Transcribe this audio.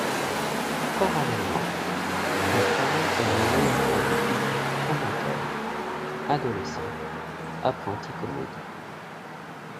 Parallèlement, un travail est mené auprès des publics amateurs, adolescents, apprentis-comédiens...